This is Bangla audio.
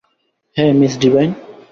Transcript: হ্যাঁ, মিস ডিভাইন।